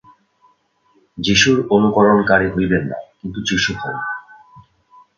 যীশুর অনুকরণকারী হইবেন না, কিন্তু যীশু হউন।